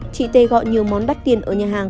chị t gọi nhiều món đắt tiền ở nhà hàng